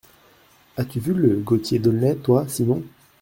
As-tu vu le Gaultier d’Aulnay, toi, Simon ?